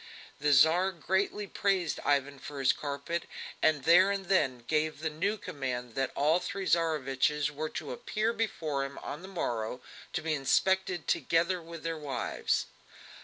The Tsar greatly praised Ivan for his carpet, and there and then gave the new command that all three Tsareviches were to appear before him on the morrow to be inspected together with their wives.